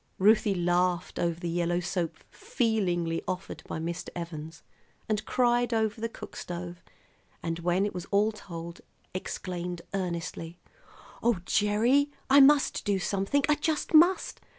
Ruthie laughed over the yellow soap feelingly offered by Mr. Evans, and cried over the cook stove, and when it was all told exclaimed earnestly: "Oh, Gerry, I must do something; I just must!